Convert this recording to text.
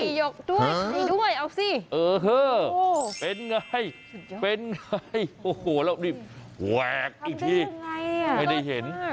หยกในด้วยเอาสิโอ้โหเป็นไงเป็นไงโอ้โหแล้วนี่แหวะอีกทีไม่ได้เห็น